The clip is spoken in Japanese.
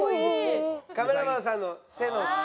カメラマンさんの手の隙間から。